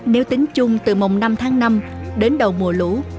nếu tính chung từ mùng năm tháng năm đến đầu mùa lũ